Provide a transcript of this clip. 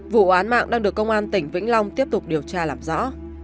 vụ án mạng đang được công an tỉnh vĩnh long tiếp tục điều tra làm rõ